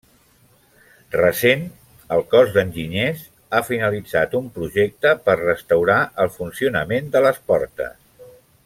Recent el Cos d'Enginyers ha finalitzat un projecte per restaurar el funcionament de les portes.